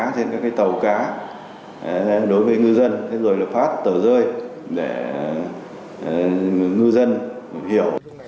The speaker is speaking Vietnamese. trên các tàu cá đối với ngư dân rồi phát tờ rơi để ngư dân hiểu